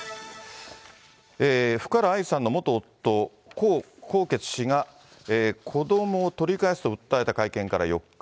福原愛さんの元夫、江宏傑氏が子どもを取り返すと訴えた会見から４日。